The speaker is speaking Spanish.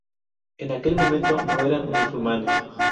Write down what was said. En aquel momento no eran musulmanes.